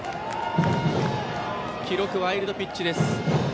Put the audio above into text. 記録はワイルドピッチです。